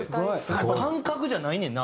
感覚じゃないねんな。